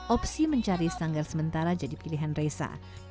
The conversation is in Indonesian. opsi mencari sanggar sementara jadi pilihan resa